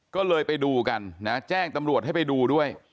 ก็เลยไปดูกันนะแจ้งตำรวจให้ไปดูด้วย